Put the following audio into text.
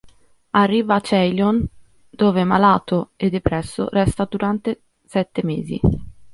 Arriva a Ceylon dove, malato e depresso, resta durante sette mesi.